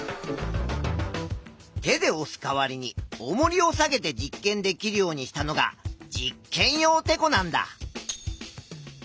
手でおす代わりにおもりを下げて実験できるようにしたのが実験用てこなんだ。